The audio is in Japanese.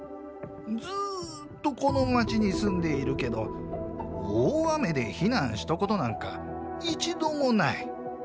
ずっとこの街に住んでいるけど大雨で避難したことなんか一度もない。